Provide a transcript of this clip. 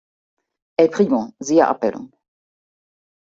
El Primo"", siehe Abb.